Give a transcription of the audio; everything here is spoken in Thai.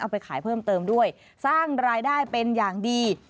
ไปขายเพิ่มเติมด้วยสร้างรายได้เป็นอย่างดี